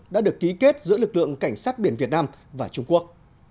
đã được ký kết giữa lực lượng cảnh sát biển việt nam và trung quốc